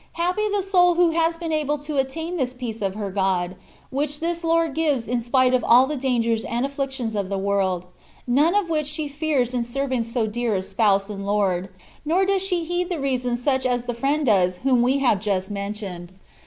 Happy the soul who has been able to attain this peace of her God, which this Lord gives in spite of all the dangers and afflictions of the world, none of which she fears in serving so dear a Spouse and Lord ; nor does she heed the reasons such as the friend does whom we have just mentioned.